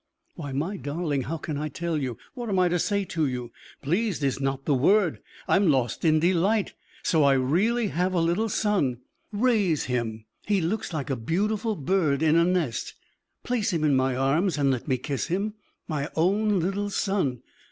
"Why, my darling! how can I tell you? what am I to say to you? Pleased is not the word. I am lost in delight. So I really have a little son. Raise him he looks like a beautiful bird in a nest. Place him in my arms, and let me kiss him. My own little son!